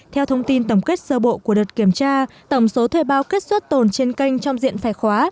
theo thông tin tổng kết sơ bộ của đợt kiểm tra tổng số thuê bao kết xuất tồn trên kênh trong diện phải khóa